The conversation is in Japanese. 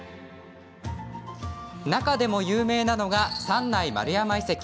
中でも有名なのが三内丸山遺跡。